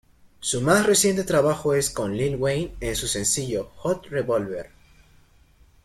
Su más reciente trabajo es con Lil Wayne en su sencillo "Hot Revolver".